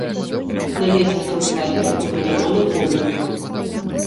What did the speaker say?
На месцы канцлагера пабудаваны помнік.